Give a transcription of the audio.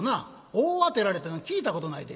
『大当てられた』いうのは聞いたことないで」。